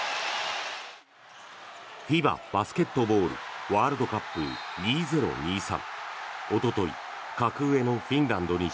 ＦＩＢＡバスケットボールワールドカップ２０２３。